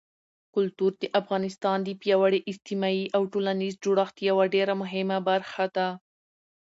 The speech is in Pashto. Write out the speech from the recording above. کلتور د افغانستان د پیاوړي اجتماعي او ټولنیز جوړښت یوه ډېره مهمه برخه ده.